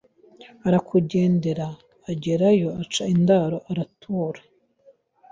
Arakugendera agerayo aca indaro aratura